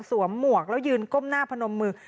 หมวกแล้วยืนก้มหน้าพนมมือ